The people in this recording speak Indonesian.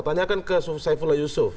tanyakan ke saifula yusuf